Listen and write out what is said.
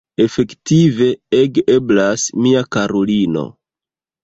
Efektive, ege eblas, mia karulino.